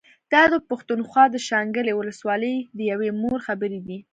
دا د پښتونخوا د شانګلې ولسوالۍ د يوې مور خبرې دي